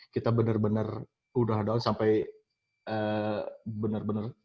kita benar benar udah down sampai benar benar